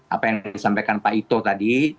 apa yang disampaikan pak ito tadi